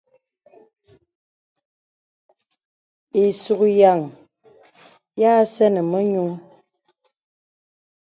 Isùkyan ya sɛ̂nì mə nyùù.